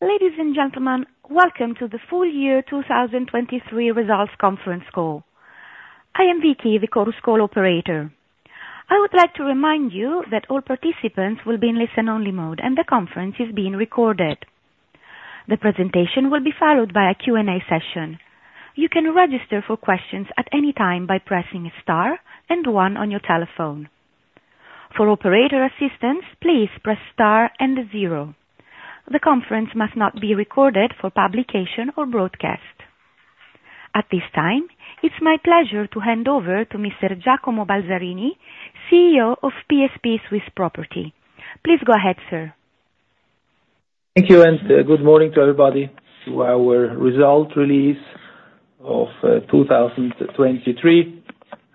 Ladies and gentlemen, welcome to the full year 2023 results conference call. I am Vicky, the Chorus Call operator. I would like to remind you that all participants will be in listen-only mode and the conference is being recorded. The presentation will be followed by a Q&A session. You can register for questions at any time by pressing a star and one on your telephone. For operator assistance, please press star and zero. The conference must not be recorded for publication or broadcast. At this time, it's my pleasure to hand over to Mr. Giacomo Balzarini, CEO of PSP Swiss Property. Please go ahead, sir. Thank you and good morning to everybody. To our result release of 2023.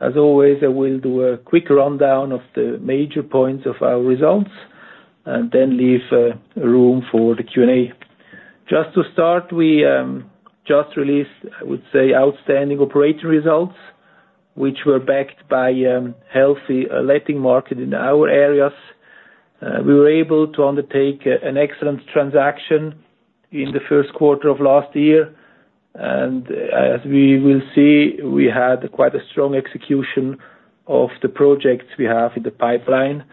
As always, I will do a quick rundown of the major points of our results and then leave room for the Q&A. Just to start, we just released, I would say, outstanding operating results, which were backed by healthy letting market in our areas. We were able to undertake an excellent transaction in the first quarter of last year, and as we will see, we had quite a strong execution of the projects we have in the pipeline and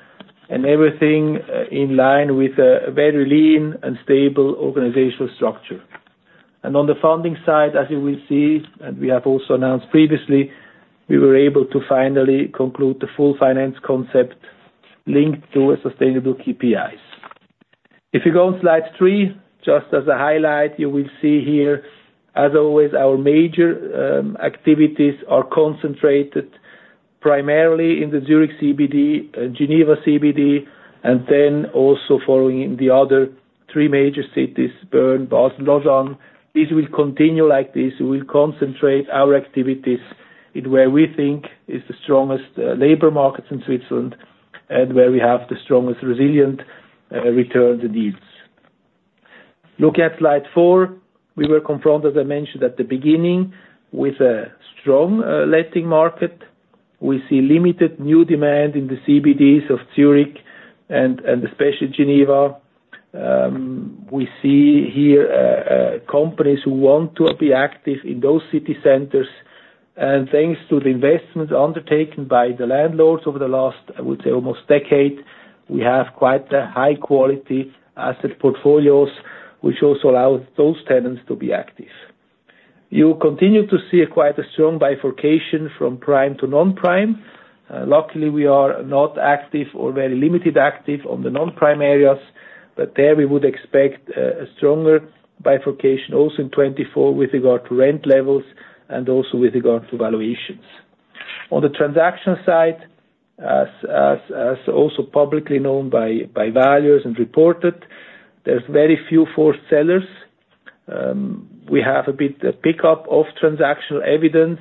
everything in line with a very lean and stable organizational structure. On the funding side, as you will see, and we have also announced previously, we were able to finally conclude the full finance concept linked to sustainable KPIs. If you go on slide three, just as a highlight, you will see here, as always, our major activities are concentrated primarily in the Zurich CBD and Geneva CBD, and then also following in the other three major cities, Bern, Basel, Lausanne. These will continue like this. We will concentrate our activities in where we think is the strongest labor markets in Switzerland and where we have the strongest resilient returns and yields. Looking at slide four, we were confronted, as I mentioned at the beginning, with a strong letting market. We see limited new demand in the CBDs of Zurich and especially Geneva. We see here companies who want to be active in those city centers. Thanks to the investments undertaken by the landlords over the last, I would say, almost decade, we have quite high-quality asset portfolios, which also allows those tenants to be active. You continue to see quite a strong bifurcation from prime to non-prime. Luckily, we are not active or very limited active on the non-prime areas, but there we would expect a stronger bifurcation also in 2024 with regard to rent levels and also with regard to valuations. On the transaction side, as also publicly known by valuers and reported, there's very few forced sellers. We have a bit of pickup of transactional evidence,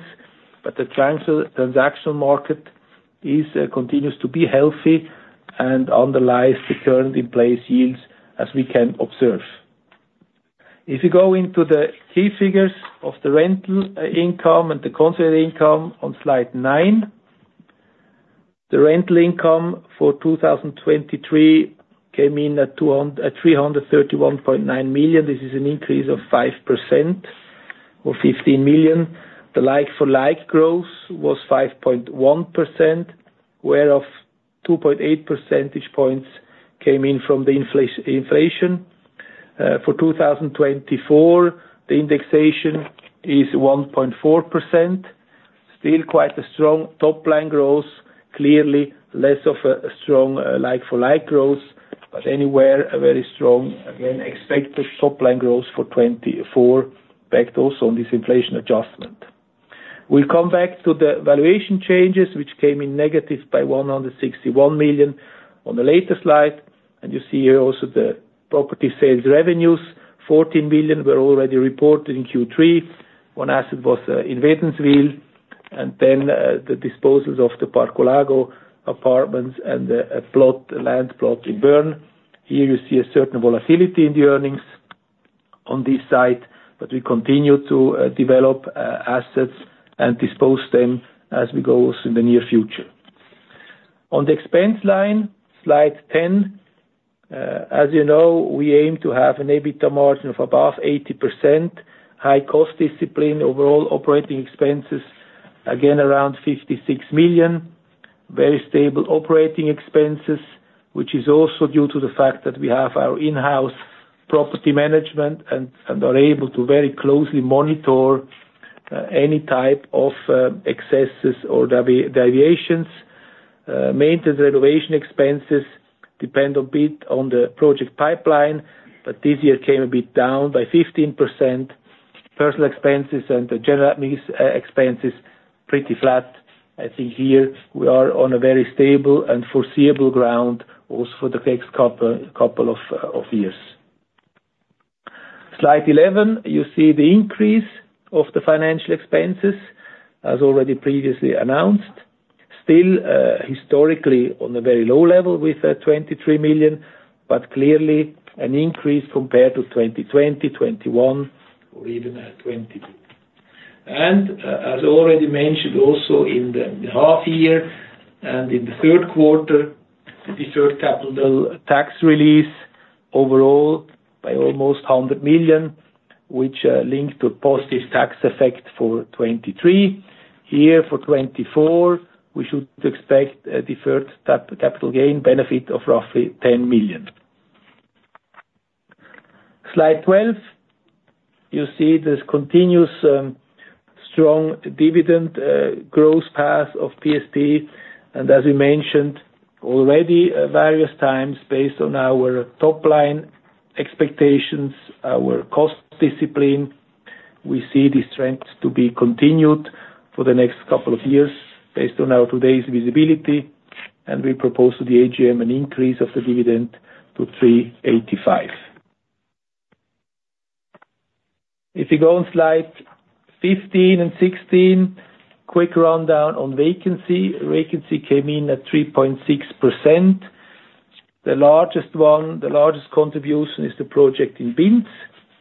but the transactional market continues to be healthy and underlies the current-in-place yields, as we can observe. If you go into the key figures of the rental income and the concentrated income on slide nine, the rental income for 2023 came in at 331.9 million. This is an increase of 5% or 15 million. The like-for-like growth was 5.1%, whereof 2.8 percentage points came in from the inflation. For 2024, the indexation is 1.4%. Still quite a strong top-line growth, clearly less of a strong like-for-like growth, but anywhere a very strong, again, expected top-line growth for 2024, backed also on this inflation adjustment. We'll come back to the valuation changes, which came in negative by 161 million on the latest slide. And you see here also the property sales revenues, 14 million were already reported in Q3. One asset was in Wädenswil and then the disposals of the Parco Lago apartments and a land plot in Bern. Here you see a certain volatility in the earnings on this side, but we continue to develop assets and dispose them as we go also in the near future. On the expense line, slide 10, as you know, we aim to have an EBITDA margin of above 80%, high-cost discipline, overall operating expenses, again, around 56 million, very stable operating expenses, which is also due to the fact that we have our in-house property management and are able to very closely monitor any type of excesses or deviations. Maintenance and renovation expenses depend a bit on the project pipeline, but this year came a bit down by 15%. Personnel expenses and general admin expenses, pretty flat. I think here we are on a very stable and foreseeable ground also for the next couple of years. Slide 11, you see the increase of the financial expenses, as already previously announced. Still historically on a very low level with 23 million, but clearly an increase compared to 2020, 2021, or even 2022. And as already mentioned also in the half-year and in the third quarter, the deferred capital tax release overall by almost 100 million, which linked to a positive tax effect for 2023. Here for 2024, we should expect a deferred capital gain benefit of roughly 10 million. Slide 12, you see this continuous strong dividend growth path of PSP. And as we mentioned already various times, based on our top-line expectations, our cost discipline, we see this trend to be continued for the next couple of years based on today's visibility. And we propose to the AGM an increase of the dividend to 385. If you go on slide 15 and 16, quick rundown on vacancy. Vacancy came in at 3.6%. The largest contribution is the project in Binz,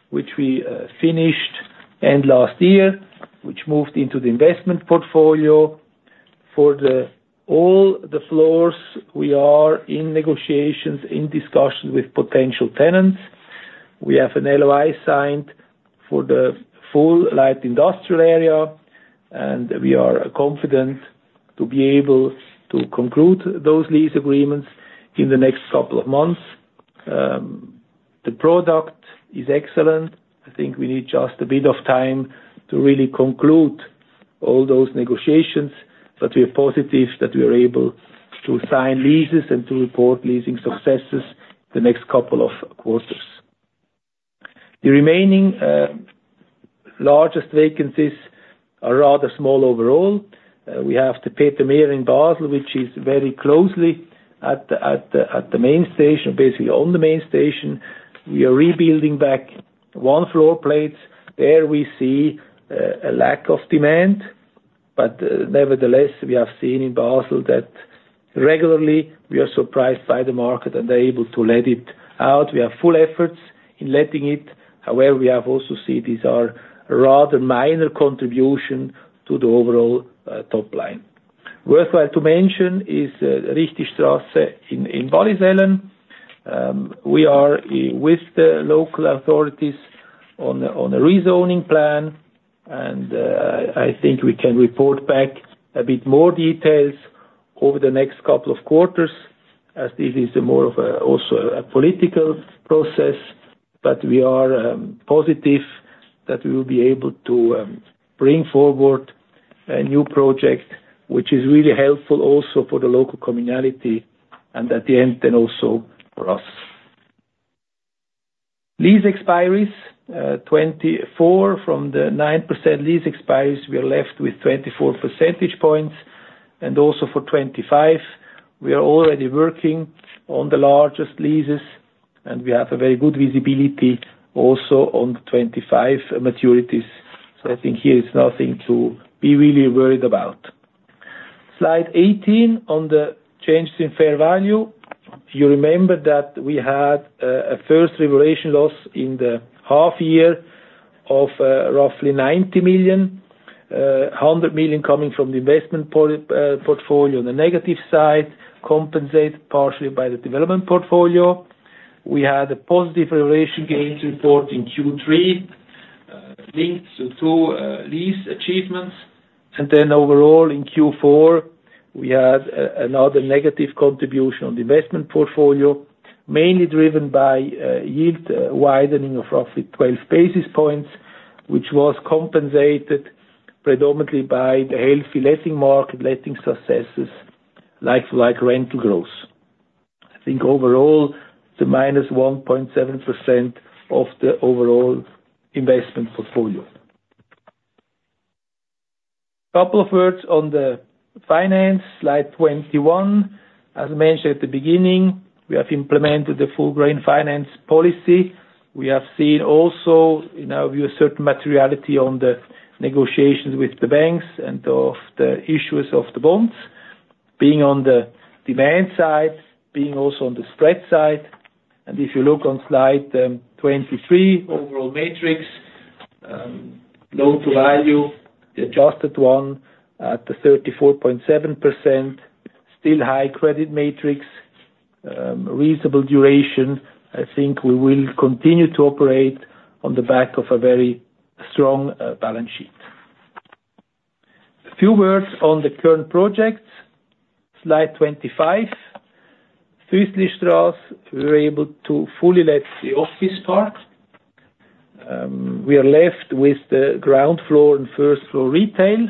which we finished end last year, which moved into the investment portfolio. For all the floors, we are in negotiations, in discussion with potential tenants. We have an LOI signed for the full light industrial area, and we are confident to be able to conclude those lease agreements in the next couple of months. The product is excellent. I think we need just a bit of time to really conclude all those negotiations, but we are positive that we are able to sign leases and to report leasing successes the next couple of quarters. The remaining largest vacancies are rather small overall. We have the Peter Merian in Basel, which is very closely at the main station, basically on the main station. We are rebuilding back one floor plates. There we see a lack of demand, but nevertheless, we have seen in Basel that regularly we are surprised by the market and are able to let it out. We have full efforts in letting it. However, we have also seen these are rather minor contributions to the overall top line. Worthwhile to mention is Richtistrasse in Wallisellen. We are with the local authorities on a rezoning plan, and I think we can report back a bit more details over the next couple of quarters as this is more of also a political process. But we are positive that we will be able to bring forward a new project, which is really helpful also for the local communality and at the end then also for us. Lease expiries, 2024 from the 9% lease expiries, we are left with 24 percentage points. And also for 2025, we are already working on the largest leases, and we have a very good visibility also on the 2025 maturities. So I think here is nothing to be really worried about. Slide 18 on the changes in fair value. You remember that we had a first revaluation loss in the half-year of roughly 90 million to 100 million coming from the investment portfolio on the negative side, compensated partially by the development portfolio. We had a positive revaluation gains report in Q3 linked to two lease achievements. And then overall in Q4, we had another negative contribution on the investment portfolio, mainly driven by yield widening of roughly 12 basis points, which was compensated predominantly by the healthy letting market, letting successes, like rental growth. I think overall, it's a -1.7% of the overall investment portfolio. Couple of words on the finance, Slide 21. As I mentioned at the beginning, we have implemented the full green finance policy. We have seen also, in our view, a certain materiality on the negotiations with the banks and of the issues of the bonds, being on the demand side, being also on the spread side. If you look on slide 23, overall matrix, loan-to-value, the adjusted one at 34.7%, still high credit matrix, reasonable duration. I think we will continue to operate on the back of a very strong balance sheet. A few words on the current projects, slide 25. Füsslistrasse, we were able to fully let the office park. We are left with the ground floor and first-floor retail.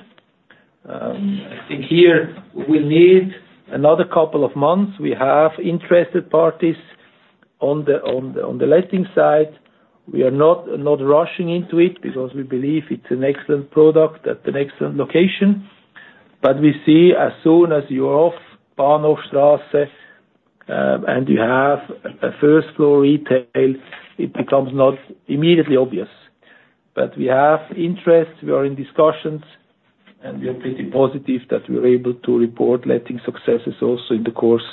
I think here we will need another couple of months. We have interested parties on the letting side. We are not rushing into it because we believe it's an excellent product at an excellent location. But we see as soon as you're off Bahnhofstrasse and you have a first-floor retail, it becomes not immediately obvious. But we have interest. We are in discussions, and we are pretty positive that we were able to report letting successes also in the course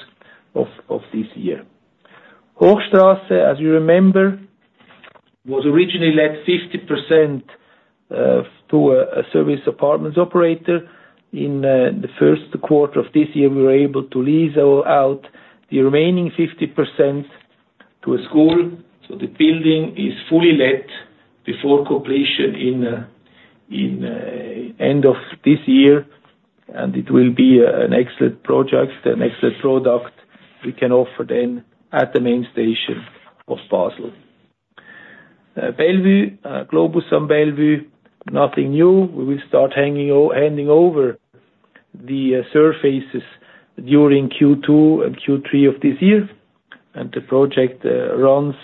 of this year. Hochstrasse, as you remember, was originally let 50% to a serviced apartments operator. In the first quarter of this year, we were able to lease out the remaining 50% to a school. So the building is fully let before completion in end of this year, and it will be an excellent project, an excellent product we can offer then at the main station of Basel. Globus and Bellevue, nothing new. We will start handing over the surfaces during Q2 and Q3 of this year, and the project runs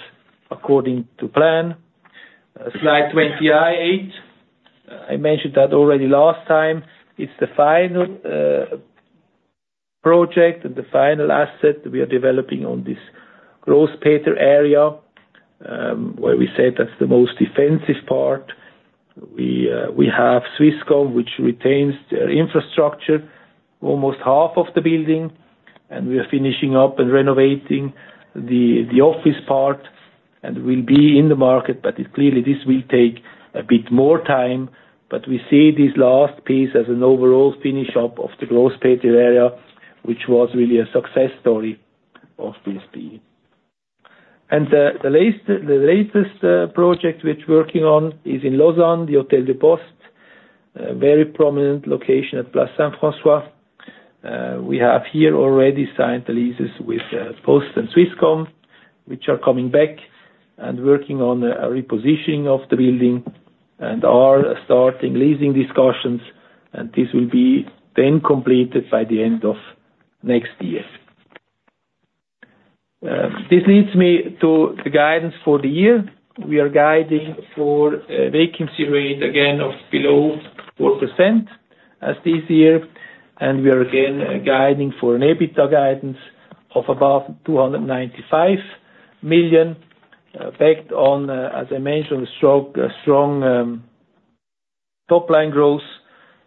according to plan. Slide 28, I mentioned that already last time. It's the final project and the final asset we are developing on this Grosspeter area where we said that's the most defensive part. We have Swisscom, which retains their infrastructure, almost half of the building. And we are finishing up and renovating the office part and will be in the market. But clearly, this will take a bit more time. But we see this last piece as an overall finish-up of the Grosspeter area, which was really a success story of PSP. And the latest project which we're working on is in Lausanne, the Hôtel des Postes, very prominent location at Place Saint-François. We have here already signed the leases with Post and Swisscom, which are coming back and working on a repositioning of the building and are starting leasing discussions. And this will be then completed by the end of next year. This leads me to the guidance for the year. We are guiding for a vacancy rate, again, of below 4% as this year. We are again guiding for an EBITDA guidance of above 295 million, backed on, as I mentioned, a strong top-line growth,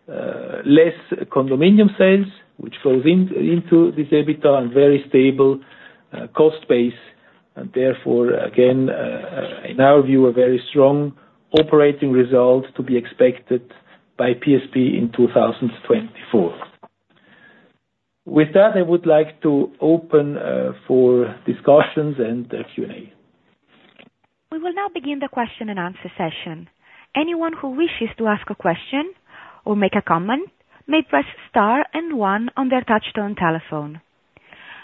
less condominium sales, which flows into this EBITDA, and very stable cost base. Therefore, again, in our view, a very strong operating result to be expected by PSP in 2024. With that, I would like to open for discussions and Q&A. We will now begin the question-and-answer session. Anyone who wishes to ask a question or make a comment may press star and one on their touch-tone telephone.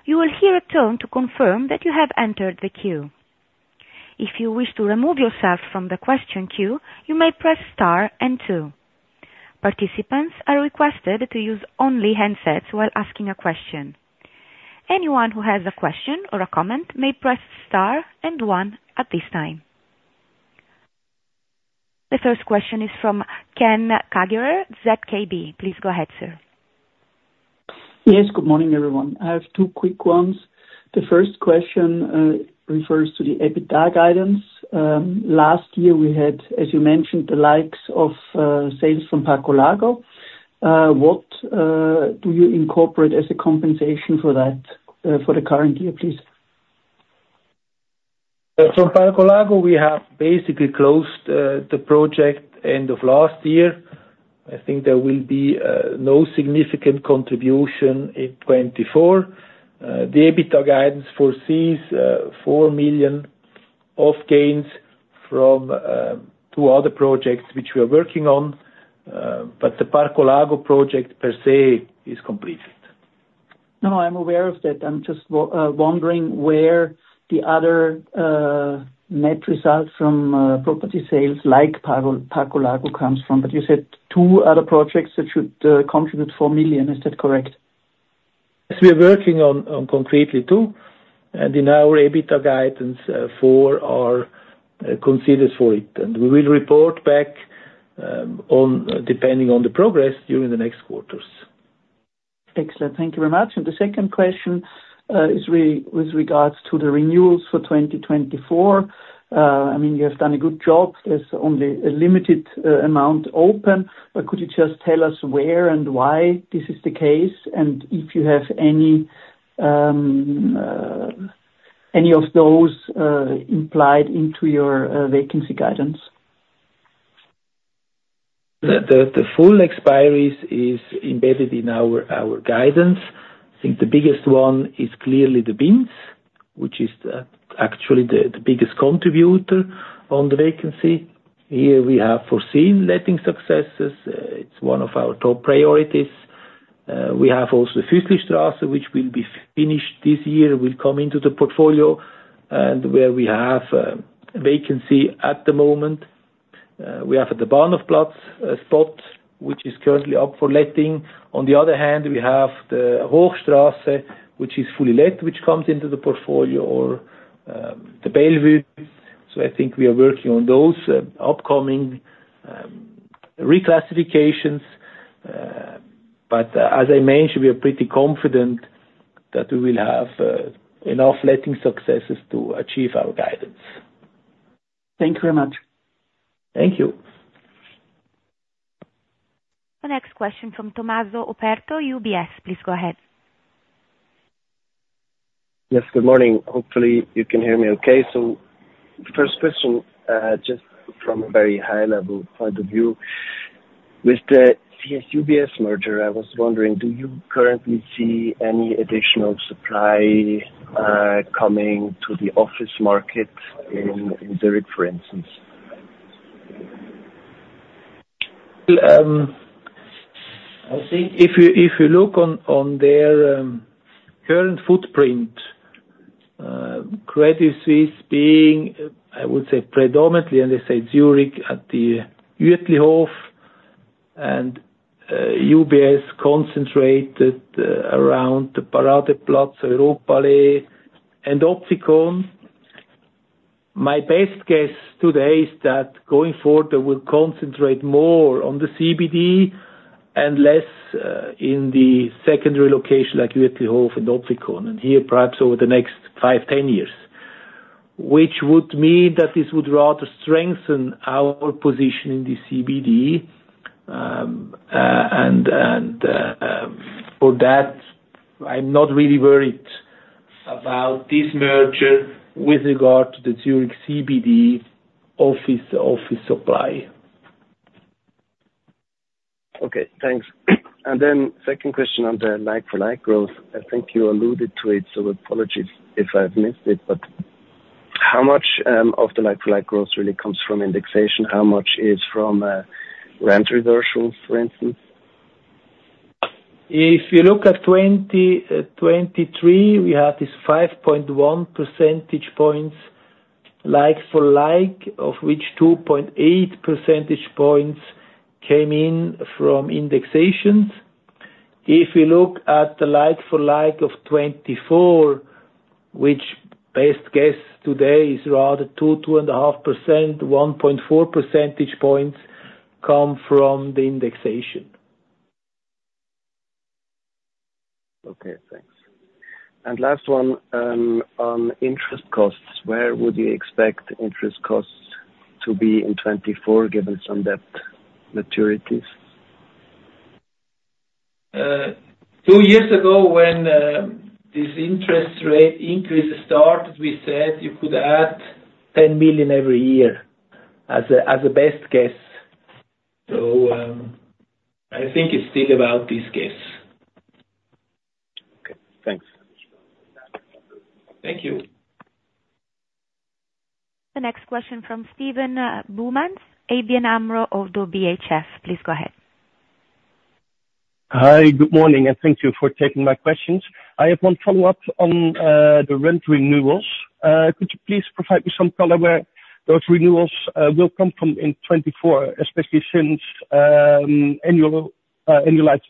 You will hear a tone to confirm that you have entered the queue. If you wish to remove yourself from the question queue, you may press star and two. Participants are requested to use only headsets while asking a question. Anyone who has a question or a comment may press star and 1 at this time. The first question is from Ken Kagerer, ZKB. Please go ahead, sir. Yes. Good morning, everyone. I have two quick ones. The first question refers to the EBITDA guidance. Last year, we had, as you mentioned, the likes of sales from Parco Lago. What do you incorporate as a compensation for that for the current year, please? From Parco Lago, we have basically closed the project end of last year. I think there will be no significant contribution in 2024. The EBITDA guidance foresees 4 million of gains from two other projects which we are working on, but the Parco Lago project per se is completed. No, I'm aware of that. I'm just wondering where the other net result from property sales like Parco Lago comes from. But you said two other projects that should contribute 4 million. Is that correct? Yes. We are working on concretely two. And in our EBITDA guidance, four are considered for it. And we will report back depending on the progress during the next quarters. Excellent. Thank you very much. And the second question is with regards to the renewals for 2024. I mean, you have done a good job. There's only a limited amount open. But could you just tell us where and why this is the case and if you have any of those implied into your vacancy guidance? The full expiries is embedded in our guidance. I think the biggest one is clearly the Binz, which is actually the biggest contributor on the vacancy. Here, we have foreseen letting successes. It's one of our top priorities. We have also Füsslistrasse, which will be finished this year. It will come into the portfolio where we have vacancy at the moment. We have the Bahnhofplatz spot, which is currently up for letting. On the other hand, we have the Hochstrasse, which is fully let, which comes into the portfolio, or the Bellevue. So I think we are working on those upcoming reclassifications. But as I mentioned, we are pretty confident that we will have enough letting successes to achieve our guidance. Thank you very much. Thank you. The next question from Tommaso Operto, UBS. Please go ahead. Yes. Good morning. Hopefully, you can hear me okay. So first question, just from a very high-level point of view. With the CS UBS merger, I was wondering, do you currently see any additional supply coming to the office market in Zurich, for instance? I think if you look on their current footprint, Credit Suisse being, I would say, predominantly, and they say Zurich at the Uetlihof, and UBS concentrated around the Paradeplatz, Europaallee, and Opfikon. My best guess today is that going forward, they will concentrate more on the CBD and less in the secondary location like Uetlihof and Opfikon, and here perhaps over the next five, 10 years, which would mean that this would rather strengthen our position in the CBD. And for that, I'm not really worried about this merger with regard to the Zurich CBD office supply. Okay. Thanks. And then second question on the like-for-like growth. I think you alluded to it, so apologies if I've missed it. But how much of the like-for-like growth really comes from indexation? How much is from rent reversals, for instance? If you look at 2023, we had these 5.1 percentage points like-for-like, of which 2.8 percentage points came in from indexations. If you look at the like-for-like of 2024, which best guess today is rather 2% to 2.5%, 1.4 percentage points come from the indexation. Okay. Thanks. And last one, on interest costs. Where would you expect interest costs to be in 2024 given some debt maturities? Two years ago, when this interest rate increase started, we said you could add 10 million every year as a best guess. So I think it's still about this guess. Okay. Thanks. Thank you. The next question from Steven Boumans, ABN AMRO ODDO BHF. Please go ahead. Hi. Good morning. And thank you for taking my questions. I have one follow-up on the rent renewals. Could you please provide me some color where those renewals will come from in 2024, especially since annualized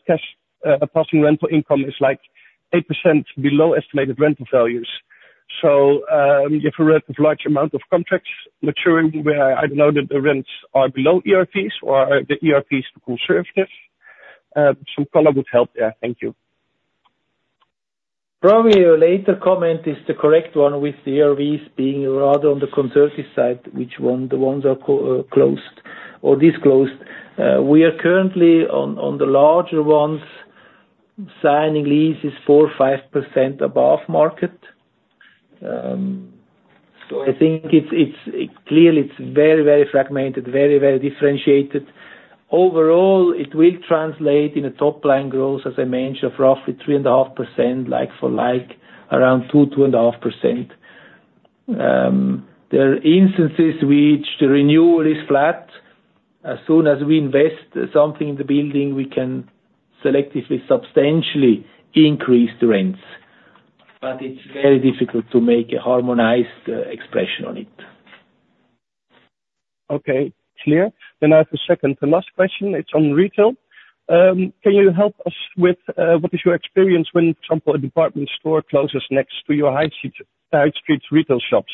cash passing rental income is like 8% below estimated rental values? So if you've heard of large amount of contracts maturing where, I don't know, the rents are below ERVs or the ERVs are conservative, some color would help there. Thank you. Probably your later comment is the correct one, with the ERVs being rather on the conservative side, which ones are closed or disclosed. We are currently, on the larger ones, signing leases 4% to 5% above market. So I think clearly, it's very, very fragmented, very, very differentiated. Overall, it will translate in a top-line growth, as I mentioned, of roughly 3.5% like-for-like, around 2% to 2.5%. There are instances which the renewal is flat. As soon as we invest something in the building, we can selectively substantially increase the rents. But it's very difficult to make a harmonized expression on it. Okay. Clear. Then I have a second. The last question, it's on retail. Can you help us with what is your experience when, for example, a department store closes next to your high street retail shops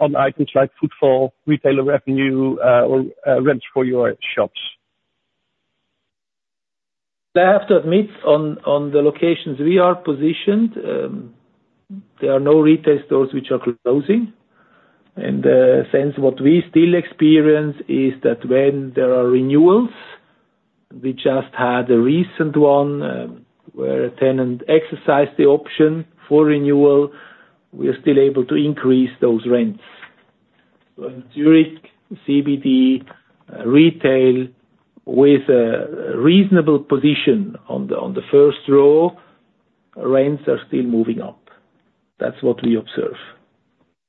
on items like footfall, retailer revenue, or rents for your shops? I have to admit, on the locations we are positioned, there are no retail stores which are closing. And hence, what we still experience is that when there are renewals - we just had a recent one where a tenant exercised the option for renewal, we are still able to increase those rents. So in Zurich, CBD retail, with a reasonable position on the first row, rents are still moving up. That's what we observe.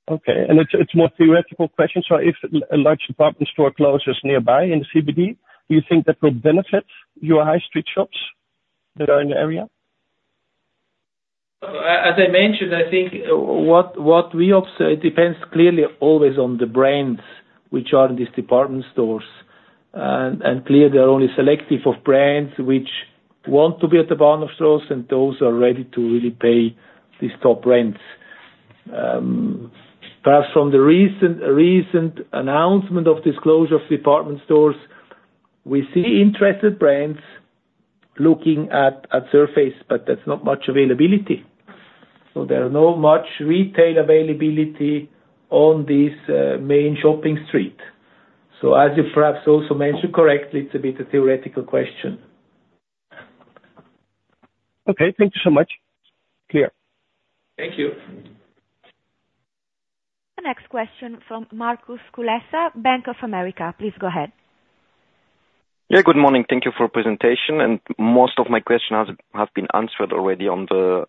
Okay. And it's more theoretical question. So if a large department store closes nearby in the CBD, do you think that will benefit your high street shops that are in the area? As I mentioned, I think what we observe, it depends clearly always on the brands which are in these department stores. And clearly, they are only selective of brands which want to be at the Bahnhofplatz, and those are ready to really pay these top rents. Perhaps from the recent announcement of closure of department stores, we see interested brands looking at space, but there's not much availability. So there's not much retail availability on this main shopping street. So as you perhaps also mentioned correctly, it's a bit a theoretical question. Okay. Thank you so much. Clear. Thank you. The next question from Markus Kulessa, Bank of America. Please go ahead. Yeah. Good morning. Thank you for presentation. Most of my question has been answered already on the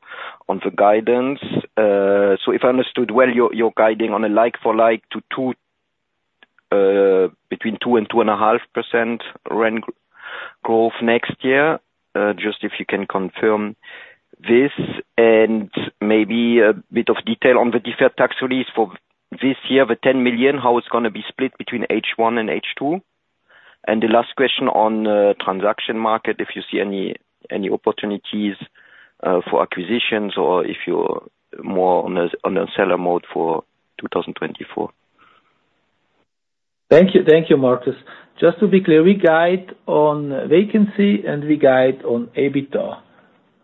guidance. If I understood well, you're guiding on a like-for-like to between 2% and 2.5% rent growth next year, just if you can confirm this, and maybe a bit of detail on the deferred tax release for this year, the 10 million, how it's going to be split between H1 and H2. And the last question on transaction market, if you see any opportunities for acquisitions or if you're more on the seller mode for 2024. Thank you. Thank you, Marcus. Just to be clear, we guide on vacancy, and we guide on EBITDA.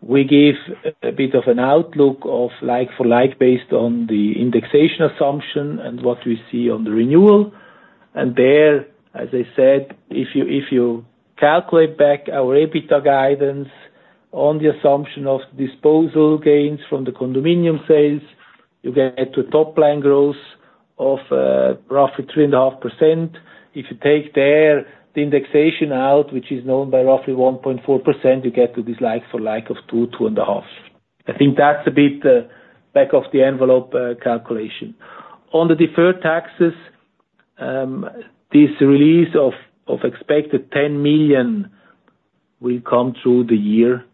We give a bit of an outlook of like-for-like based on the indexation assumption and what we see on the renewal. And there, as I said, if you calculate back our EBITDA guidance on the assumption of disposal gains from the condominium sales, you get to a top-line growth of roughly 3.5%. If you take there the indexation out, which is known by roughly 1.4%, you get to this like-for-like of two to 2.5. I think that's a bit back-of-the-envelope calculation. On the deferred taxes, this release of expected 10 million will come through the year,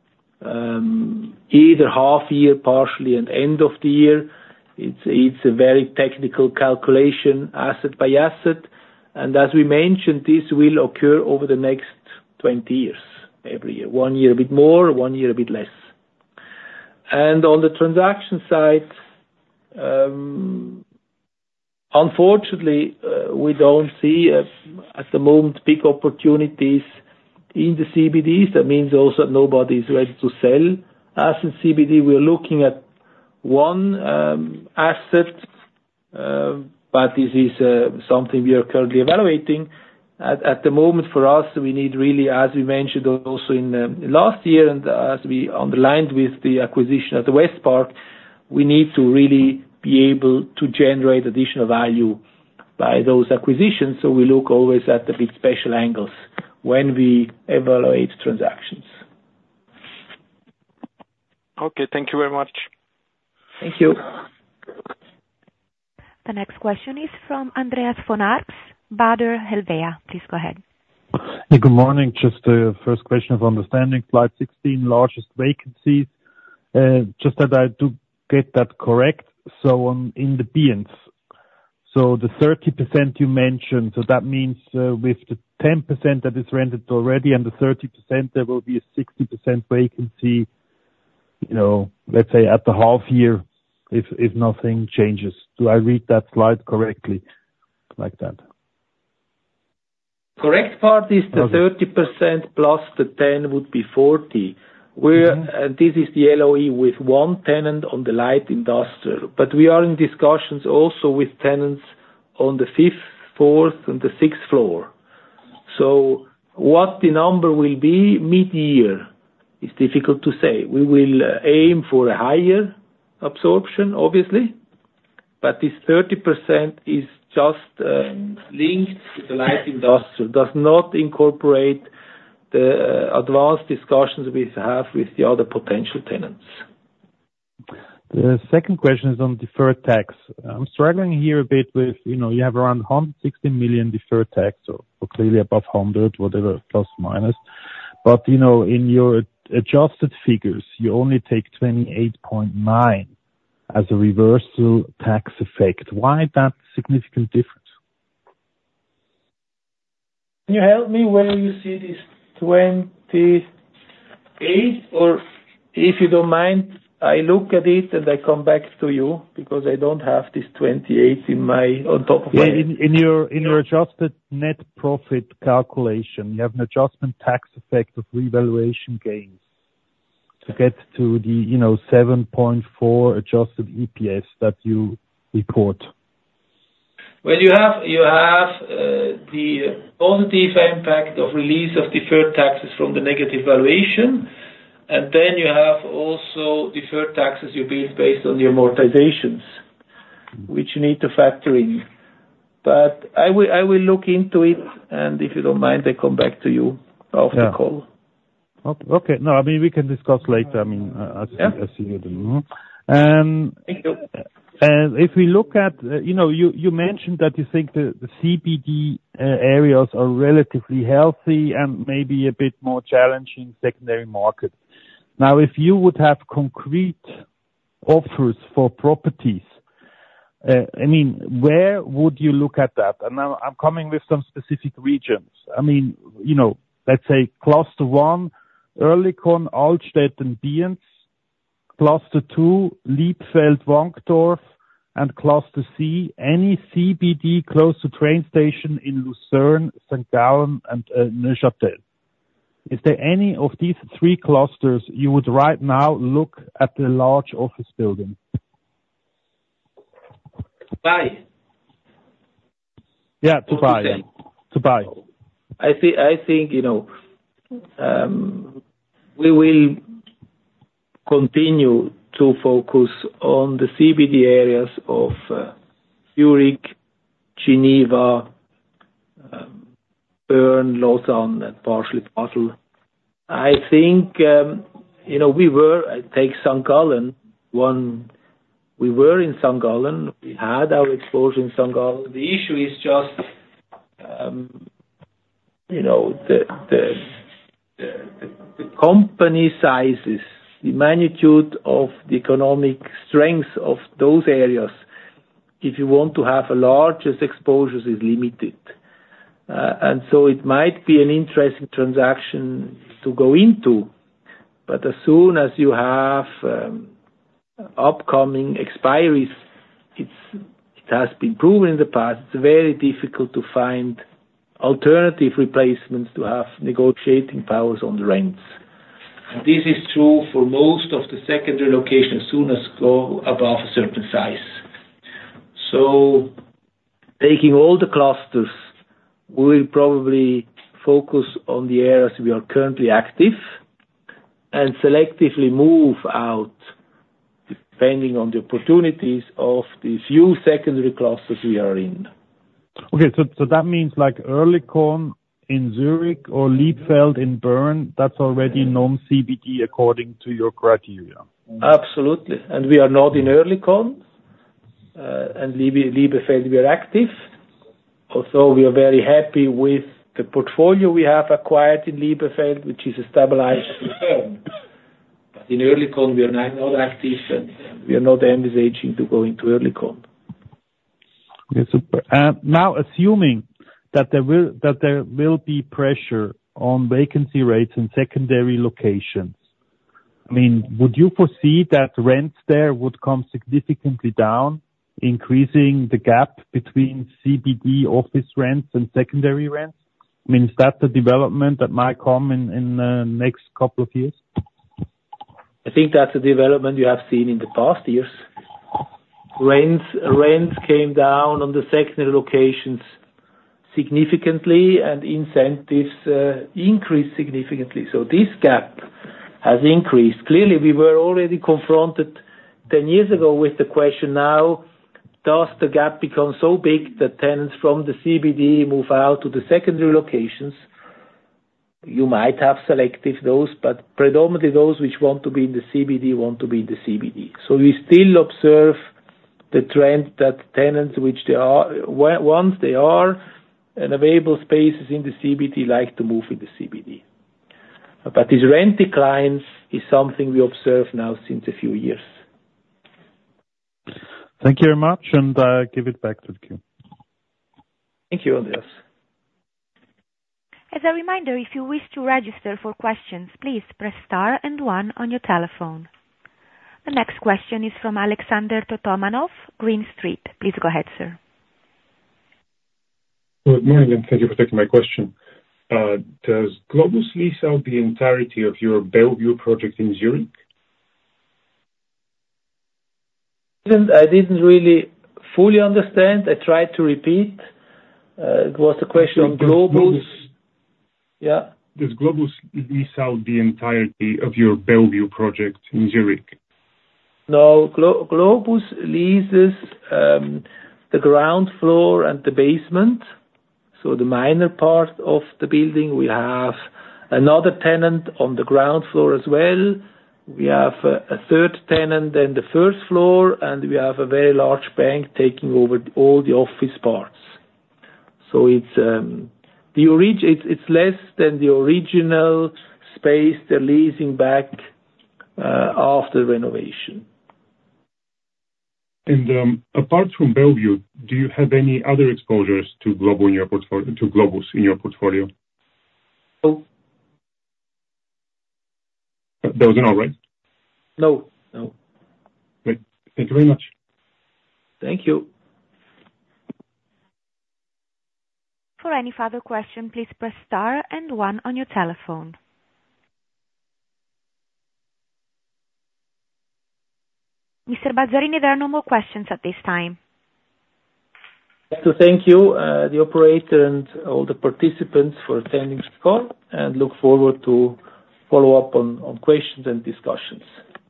either half-year, partially, and end of the year. It's a very technical calculation asset by asset. And as we mentioned, this will occur over the next 20 years-every-year, one year a bit more, one year a bit less. And on the transaction side, unfortunately, we don't see at the moment big opportunities in the CBDs. That means also that nobody is ready to sell asset CBD. We are looking at one asset, but this is something we are currently evaluating. At the moment, for us, we need really, as we mentioned also in last year and as we underlined with the acquisition at the Westpark, we need to really be able to generate additional value by those acquisitions. So we look always at a bit special angles when we evaluate transactions. Okay. Thank you very much. Thank you. The next question is from Andreas von Arx, Baader Helvea. Please go ahead. Yeah. Good morning. Just a first question of understanding, slide 16, largest vacancies. Just that I do get that correct. So in the Binz. So the 30% you mentioned, so that means with the 10% that is rented already and the 30%, there will be a 60% vacancy, let's say, at the half-year if nothing changes. Do I read that slide correctly like that? Correct part is the 30% + the 10 would be 40%. And this is the LOE with one tenant on the light industrial. But we are in discussions also with tenants on the 5th, 4th, and the 6th floor. So what the number will be mid-year is difficult to say. We will aim for a higher absorption, obviously. But this 30% is just linked to the light industrial, does not incorporate the advanced discussions we have with the other potential tenants. The second question is on deferred tax. I'm struggling here a bit with you have around 160 million deferred tax or clearly above 100 million, whatever, plus or minus. But in your adjusted figures, you only take 28.9 million as a reversal tax effect. Why that significant difference? Can you help me where you see this 28? Or, if you don't mind, I look at it, and I come back to you because I don't have this 28 on top of my head. Yeah. In your adjusted net profit calculation, you have an adjustment tax effect of revaluation gains to get to the 7.4 adjusted EPS that you report. Well, you have the positive impact of release of deferred taxes from the negative valuation. And then you have also deferred taxes you build based on your amortizations, which you need to factor in. But I will look into it. And if you don't mind, I come back to you after the call. Yeah. Okay. No. I mean, we can discuss later. I mean, as you do. Thank you. And if we look at, you mentioned that you think the CBD areas are relatively healthy and maybe a bit more challenging secondary markets. Now, if you would have concrete offers for properties, I mean, where would you look at that? And now I'm coming with some specific regions. I mean, let's say cluster one, Oerlikon, Altstadt, and Binz; cluster two, Liebefeld, Wankdorf; and cluster C, any CBD close to train station in Lucerne, St. Gallen, and Neuchâtel. Is there any of these three clusters you would right now look at the large office building? Yeah. I think we will continue to focus on the CBD areas of Zurich, Geneva, Bern, Lausanne, and partially Basel. I think we were. I take St. Gallen. We were in St. Gallen. We had our exposure in St. Gallen. The issue is just the company sizes, the magnitude of the economic strength of those areas. If you want to have the largest exposures, it's limited. So it might be an interesting transaction to go into. But as soon as you have upcoming expiries, it has been proven in the past, it's very difficult to find alternative replacements to have negotiating powers on the rents. And this is true for most of the secondary locations as soon as you go above a certain size. So taking all the clusters, we will probably focus on the areas we are currently active and selectively move out depending on the opportunities of the few secondary clusters we are in. Okay. So that means Oerlikon in Zurich or Liebefeld in Bern, that's already non-CBD according to your criteria. Absolutely. And we are not in Oerlikon. And Liebefeld, we are active. Although we are very happy with the portfolio we have acquired in Liebefeld, which is a stabilized return. But in Oerlikon, we are not active, and we are not envisaging to go into Oerlikon. Yeah. Super. Now, assuming that there will be pressure on vacancy rates in secondary locations, I mean, would you foresee that rents there would come significantly down, increasing the gap between CBD office rents and secondary rents? I mean, is that a development that might come in the next couple of years? I think that's a development you have seen in the past years. Rents came down on the secondary locations significantly, and incentives increased significantly. So this gap has increased. Clearly, we were already confronted 10 years ago with the question, "Now, does the gap become so big that tenants from the CBD move out to the secondary locations?" You might have selective moves, but predominantly, those which want to be in the CBD want to be in the CBD. So we still observe the trend that tenants, once they are in available spaces in the CBD, like to move in the CBD. But this rent decline is something we observe now since a few years. Thank you very much. And I give it back to the queue. Thank you, Andreas. As a reminder, if you wish to register for questions, please press star and one on your telephone. The next question is from Alexander Totomanov, Green Street. Please go ahead, sir. Good morning. And thank you for taking my question. Does Globus lease out the entirety of your Bellevue project in Zurich? I didn't really fully understand. I tried to repeat. It was the question on Globus. Yeah. Does Globus lease out the entirety of your Bellevue project in Zurich? No. Globus leases the ground floor and the basement. So the minor part of the building, we have another tenant on the ground floor as well. We have a third tenant in the first floor. And we have a very large bank taking over all the office parts. So it's less than the original space they're leasing back after renovation. And apart from Bellevue, do you have any other exposures to Globus in your portfolio? No. That was a no, right? No. No. Great. Thank you very much. Thank you. For any further question, please press star and one on your telephone. Mr. Balzarini, there are no more questions at this time. So thank you, the operator, and all the participants for attending this call. And look forward to follow up on questions and discussions.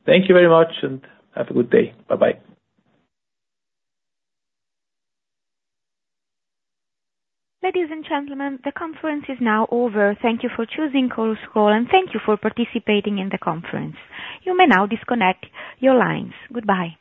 Thank you very much, and have a good day. Bye-bye. Ladies and gentlemen, the conference is now over. Thank you for choosing Chorus Call, and thank you for participating in the conference. You may now disconnect your lines. Goodbye.